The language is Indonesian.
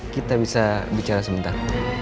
kita bisa bicara sebentar